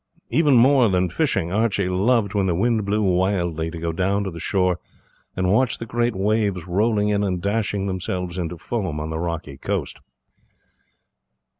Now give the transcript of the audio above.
Even more than fishing, Archie loved when the wind blew wildly to go down to the shore and watch the great waves rolling in and dashing themselves into foam on the rocky coast.